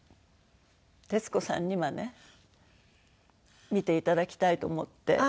徹子さんにはね見ていただきたいと思って。